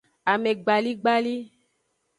Amegbaligbali.